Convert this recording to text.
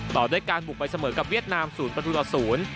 ต่อด้วยการบุกไปเสมอกับเวียดนาม๐ประตูต่อ๐